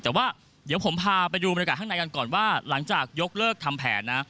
แต่ว่าเดี๋ยวผมพาไปดูบรรยากาศข้างในกันก่อนว่าหลังจากยกเลิกทำแผนนะ